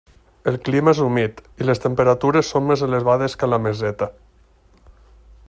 El clima és humit, i les temperatures són més elevades que a la Meseta.